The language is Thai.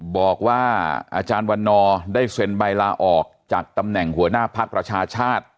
บอกว่าอาจารย์วันนอร์ได้เซ็นใบลาออกจากตำแหน่งหัวหน้าภักดิ์ประชาชาติ